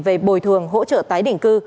về bồi thường hỗ trợ tái định cư